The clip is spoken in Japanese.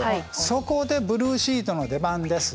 そこでブルーシートの出番です。